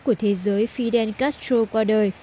của thế giới fidel castro qua đời